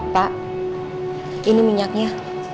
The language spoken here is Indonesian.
pak ini minyaknya